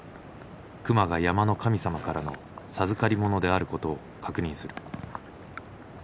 熊が山の神様からの授かりものであることを確認する。